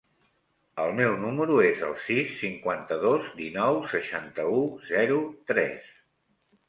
El meu número es el sis, cinquanta-dos, dinou, seixanta-u, zero, tres.